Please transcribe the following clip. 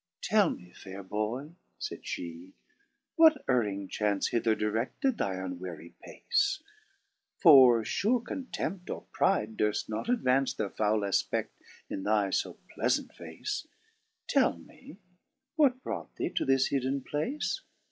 4 " Tell me, fair Boy ! (fayd flie) what erring chance Hither direAed thy unwwy pace ? For fure Contempt or Pride durft not advance Their foule afpecft in thy fo pleafant face : Tell me, what brought thee to this hidden place